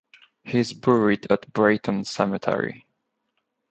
He is buried at Brayton Cemetery.